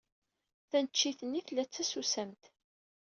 Taneččit-nni tella d tasusamt.